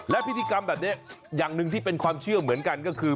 และพิธีกรรมแบบนี้อย่างหนึ่งที่เป็นความเชื่อเหมือนกันก็คือ